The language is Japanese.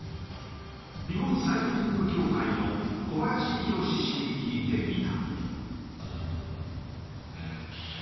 日本サイクリング協会の小林博氏に聞いてみた。